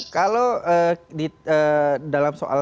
kalau dalam soal